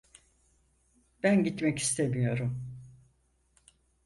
Ben gitmek istemiyorum.